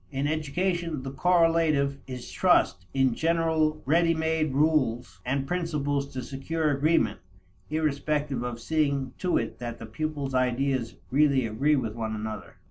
In education, the correlative is trust in general ready made rules and principles to secure agreement, irrespective of seeing to it that the pupil's ideas really agree with one another.